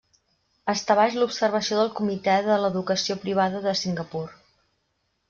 Està baix l'observació del Comitè de l'Educació Privada de Singapur.